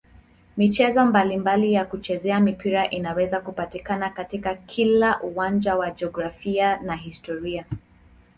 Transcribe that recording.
Michezo mbalimbali ya kuchezea mpira inaweza kupatikana katika kila uwanja wa jiografia na historia.